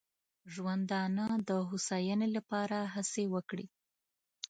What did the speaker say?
ژوندانه د هوساینې لپاره هڅې وکړي.